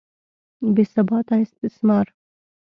بې ثباته استثمار.